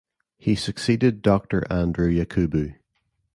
He succeeded Doctor Andrew Yakubu.